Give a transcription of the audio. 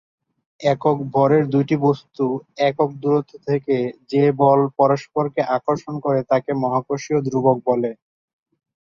একক ভরের দুইটি বস্তু একক দুরত্ব থেকে যে বলে পরস্পরকে আকর্ষণ করে, তাকে মহাকর্ষীয় ধ্রুবক বলে।